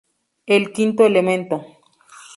El quinto elemento.